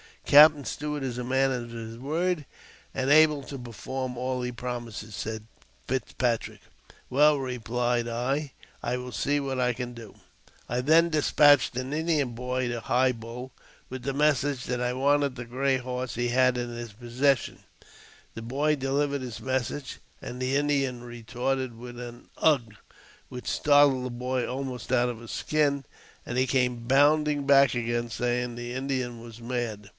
" Captain Stuart is a man of his word, and able to perform all he promises," said Fitzpatrick. " Well," replied I, " I will see what I can do." I then despatched an Indian boy to High Bull with the JAMES P. 5^0ZTF(H^^^V9r>^ 233 message that I wanted the gray horse that he had in his possession. The boy delivered his message, and the Indian retorted with a " Ugh !" which startled the boy almost out of his skin, and he came bounding back again, saying the Indian was mad.